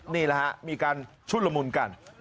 นี่แหละฮะมีการชุดละมุนกัน